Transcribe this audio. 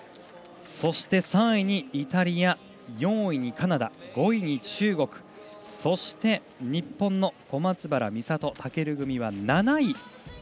そして、３位にイタリア４位にカナダ、５位に中国そして日本の小松原美里、尊組は７位。